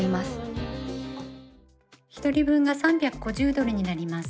１人分が３５０ドルになります。